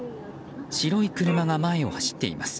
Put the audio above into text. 白い車が前を走っています。